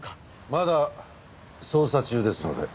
まだ捜査中ですので。